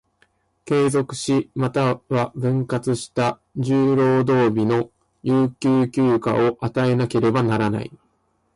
継続し、又は分割した十労働日の有給休暇を与えなければならない。